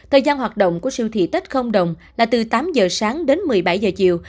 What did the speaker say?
thời gian hoạt động của siêu thị tết không đồng là từ tám giờ sáng đến một mươi bảy giờ chiều